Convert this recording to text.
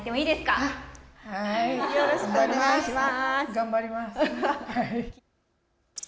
よろしくお願いします。